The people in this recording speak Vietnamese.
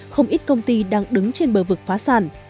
không ít công ty đang đứng trên bờ vực phá sản